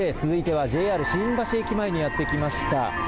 続いてはＪＲ新橋駅前にやって来ました。